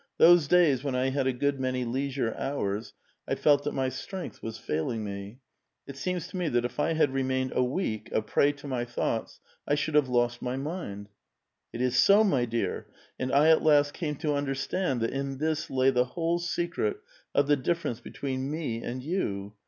Those days when I had a good many leisure hours I felt that my strength was failing me. It seems to me that if I had remained a week a prey to my thoughts, I should have lost my mind." " It is so, my dear ; and I at last came to understand that in this lay the whole secret of the difference between me and you.